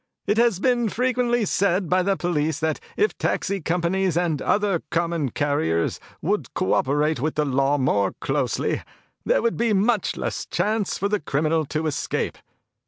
It has been frequently said by the police that if taxi companies and other common carriers would cooperate with the law more closely, there would be much less chance for the criminal to escape.